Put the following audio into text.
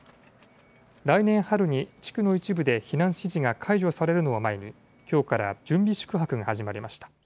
来年春に地区の一部で避難指示が解除されるを前にきょうから準備宿泊の始まりました。